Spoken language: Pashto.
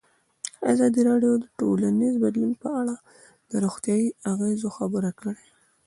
ازادي راډیو د ټولنیز بدلون په اړه د روغتیایي اغېزو خبره کړې.